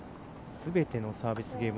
すべてのサービスゲーム